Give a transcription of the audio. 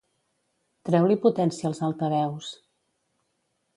Treu-li potència als altaveus.